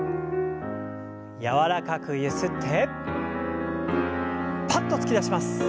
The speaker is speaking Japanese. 柔らかくゆすってパッと突き出します。